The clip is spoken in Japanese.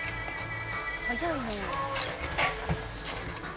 「早いね」